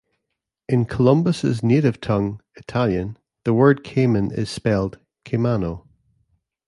In Columbus' native tongue, Italian, the word cayman is spelled caimano.